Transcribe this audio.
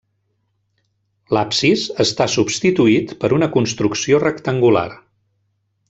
L'absis està substituït per una construcció rectangular.